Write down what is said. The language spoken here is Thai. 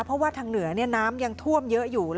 เพราะว่าทางเหนือน้ำยังท่วมเยอะอยู่